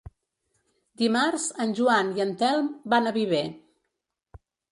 Dimarts en Joan i en Telm van a Viver.